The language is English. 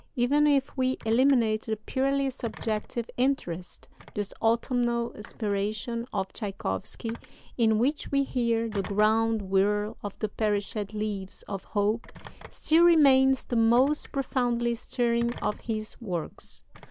Even if we eliminate the purely subjective interest, this autumnal inspiration of Tschaikowsky, in which we hear 'the ground whirl of the perished leaves of hope,' still remains the most profoundly stirring of his works."